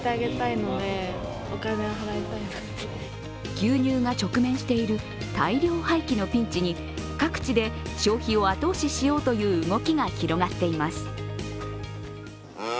牛乳が直面している大量廃棄のピンチに各地で消費を後押ししようという動きが広がっています。